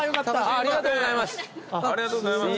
ありがとうございます。